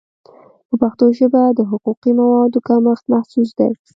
په پښتو ژبه د حقوقي موادو کمښت محسوس دی.